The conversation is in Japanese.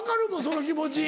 その気持ち。